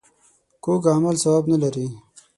کوږ عمل ثواب نه لري